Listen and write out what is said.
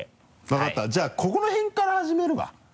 分かったじゃあここの辺から始めれば？